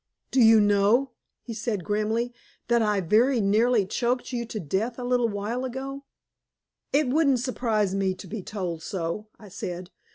"Do you know," he said grimly, "that I very nearly choked you to death a little while ago?" "It wouldn't surprise me to be told so," I said.